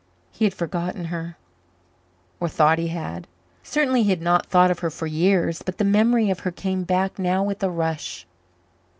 He had forgotten her or thought he had; certainly he had not thought of her for years. But the memory of her came back now with a rush.